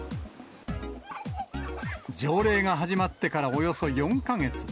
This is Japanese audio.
条例が始まってからおよそ４か月。